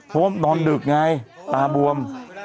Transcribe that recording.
เพราะว่านอนดึกไงตาบวม